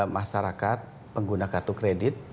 masyarakat pengguna kartu kredit